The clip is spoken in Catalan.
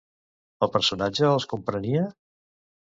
El personatge els comprenia?